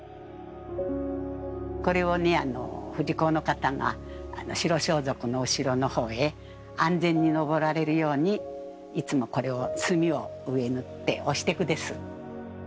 これを富士講の方が白装束の後ろのほうへ安全に登られるようにいつもこれを墨を上塗って押してくです。